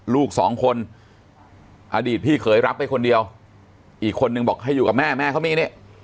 ลูกสองคนอดีตพี่เคยรับไปคนเดียวอีกคนนึงบอกให้อยู่กับแม่แม่เขามีนี่